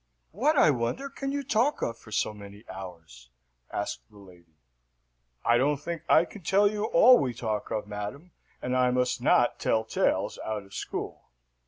"What, I wonder, can you talk of for so many hours?" asked the lady. "I don't think I can tell you all we talk of, madam, and I must not tell tales out of school.